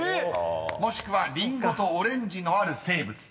［もしくは「りんごとオレンジのある静物」］